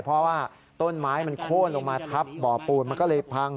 เพราะว่าต้นไม้มันโค้นลงมาทับบ่อปูนมันก็เลยพัง